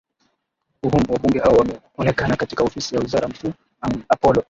uhuum wabunge hao wameonekana katika ofisi ya waziri mkuu apolo